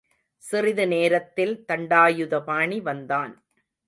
சிறிது நேரத்தில், தண்டாயுதபாணி வந்தான்.